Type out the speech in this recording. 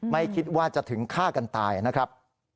ไม่คิดว่าจะถึงฆ่ากันตายนะครับ